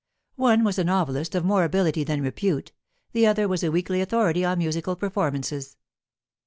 One was a novelist of more ability than repute; the other was a weekly authority on musical performances.